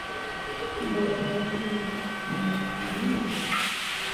ili mambo yetu yaweze kufanikiwa naya